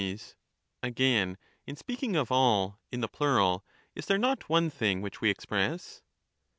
Soc. Again, in speaking of all [in the plural J, is there not SocKATEs, one thing which we express'